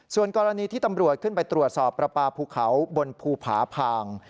ส่วนกรณีที่ตำรวจขึ้นไปตรวจสอบประปาภูเขาบนภูผาพาง